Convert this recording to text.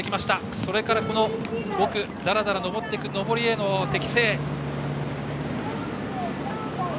それから５区だらだらと上っていく上りへの適性。